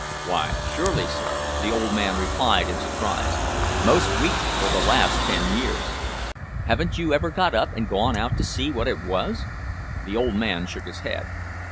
"Why, surely, sir," the old man replied in surprise. "Most weeks for the last ten years." "Haven't you ever got up and gone out to see what it was?" The old man shook his head.